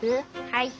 はい。